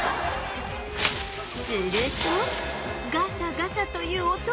すると